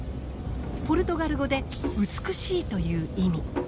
ポルトガル語で美しいという意味。